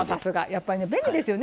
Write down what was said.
やっぱりね便利ですよね